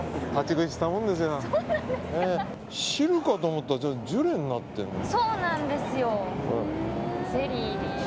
汁かと思ったらジュレになってるんだ。